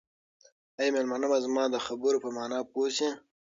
آیا مېلمانه به زما د خبرو په مانا پوه شي؟